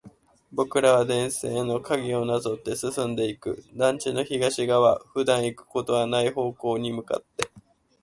僕らは電線の影をなぞって進んでいく。団地の東側、普段行くことはない方に向けて。